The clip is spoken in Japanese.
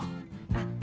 あっ。